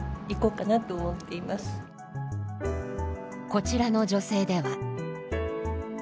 こちらの女性では。